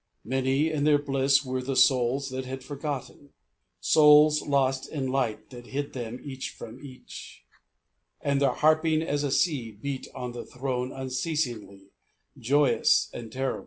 Many in their bliss were the souls that had for gotten — Souls lost in light that hid them each from each; And their harping as a sea beat on the Throne unceasingly, Joyous and terrible.